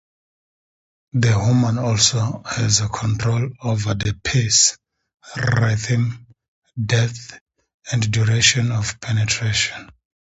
The woman also has control over the pace, rhythm, depth and duration of penetration.